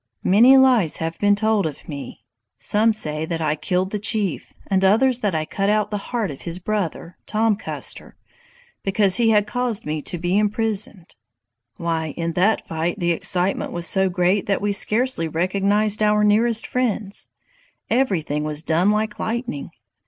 "Many lies have been told of me. Some say that I killed the Chief, and others that I cut out the heart of his brother [Tom Custer], because he had caused me to be imprisoned. Why, in that fight the excitement was so great that we scarcely recognized our nearest friends! Everything was done like lightning.